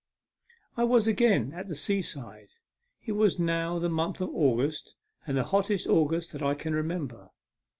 I was again at the seaside. It was now the month of August, and the hottest August that I can remember.